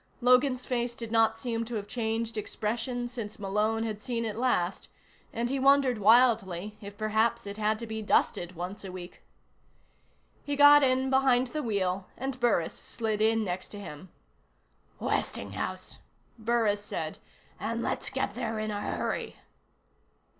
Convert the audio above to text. Logan's face did not seem to have changed expression since Malone had seen it last, and he wondered wildly if perhaps it had to be dusted once a week. He got in behind the wheel and Burris slid in next to him. "Westinghouse," Burris said. "And let's get there in a hurry."